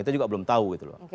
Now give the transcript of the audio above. kita juga belum tahu gitu loh